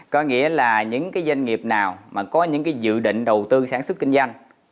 có nghĩa là những cái doanh nghiệp nào mà có những cái dự định đầu tư sản xuất kinh doanh